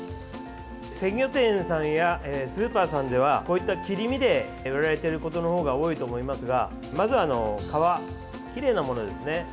鮮魚店さんやスーパーさんではこういった切り身で売られていることのほうが多いと思いますがまずは皮がきれいなものですね。